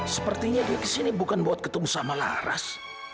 sepertinya dia kesini bukan buat ketemu sama laras